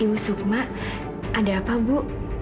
ibu sukma ada apa bu